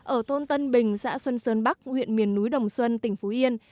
ở thôn tân bình xã xuân sơn bắc huyện miền núi đồng xuân tỉnh phú yên